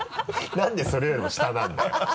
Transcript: なんでそれよりも下なんだよ